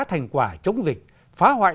thành quả chống dịch phá hoại